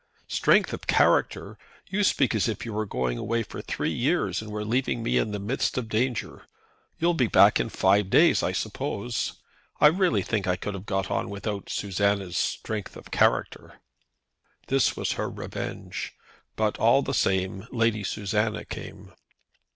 "Strength of character! You speak as if you were going away for three years, and were leaving me in the midst of danger. You'll be back in five days, I suppose. I really think I could have got on without Susanna's strength of character!" This was her revenge; but, all the same, Lady Susanna came.